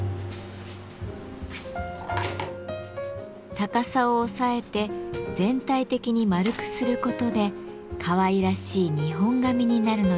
高さを抑えて全体的に丸くすることでかわいらしい日本髪になるのです。